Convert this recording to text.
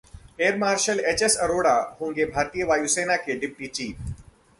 air marshal HS Arora होंगे भारतीय वायु सेना के डिप्टी चीफ